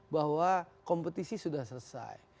bahwa kompetisi sudah selesai